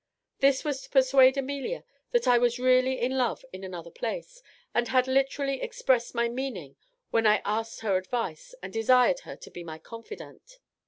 This was to persuade Amelia that I was really in love in another place, and had literally expressed my meaning when I asked her advice and desired her to be my confidante.